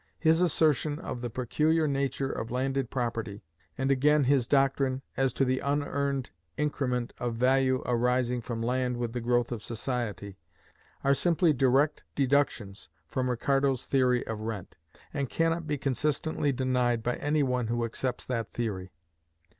His assertion of the peculiar nature of landed property, and again his doctrine as to the "unearned increment" of value arising from land with the growth of society, are simply direct deductions from Ricardo's theory of rent, and cannot be consistently denied by any one who accepts that theory.